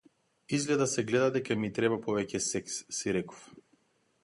Изгледа се гледа дека ми треба повеќе секс, си реков.